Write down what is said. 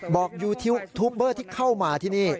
บอกยูทูปเบอร์ที่เข้ามาที่นี่